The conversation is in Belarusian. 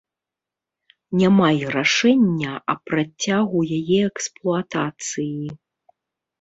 Няма і рашэння аб працягу яе эксплуатацыі.